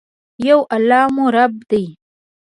یو الله مو رب دي.